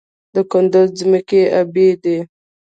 د کندز ځمکې ابي دي